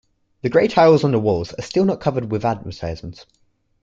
The grey tiles on the walls are still not covered with advertisements.